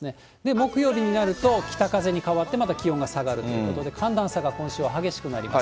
木曜日になると、北風に変わって、また気温が下がるということで、寒暖差が今週は激しくなります。